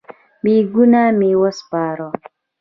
بیکونه مې وسپارم.